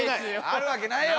あるわけないよ。